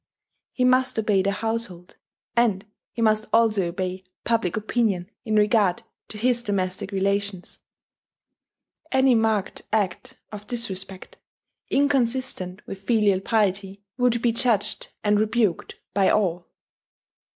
He must obey the household; and he must also obey public opinion in regard to his domestic relations. Any marked act of disrespect, inconsistent with filial piety, would be judged and rebuked by, all.